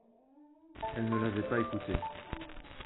Elles ne l'avaient pas écoutée.